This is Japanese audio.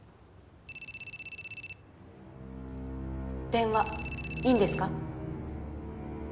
電話いいんですか？